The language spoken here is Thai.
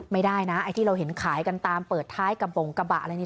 ไม่ได้นะไอ้ที่เราเห็นขายกันตามเปิดท้ายกระบงกระบะอะไรนี่